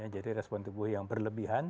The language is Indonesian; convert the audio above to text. jadi respon tubuh yang berlebihan